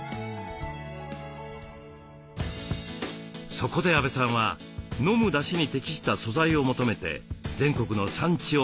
そこで阿部さんは飲むだしに適した素材を求めて全国の産地を回りました。